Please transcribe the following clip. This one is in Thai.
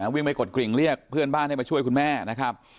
วิ่งไปกดกริ่งเรียกเพื่อนบ้านให้มาช่วยคุณแม่นะครับ